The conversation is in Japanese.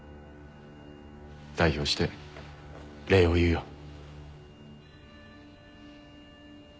代表して礼を言うよ。